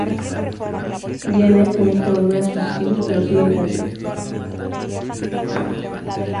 Jeanette tenía que volver a sus estudios, pero sigue cantando.